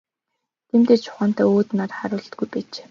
Тиймдээ ч ухаантайгаа өөд нар харуулдаггүй байх.